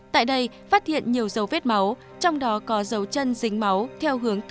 tại đây phát hiện nhiều dấu vết máu trong đó có dấu chân dính máu theo hướng từ